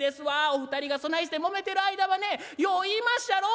お二人がそないしてもめてる間はねよう言いまっしゃろ？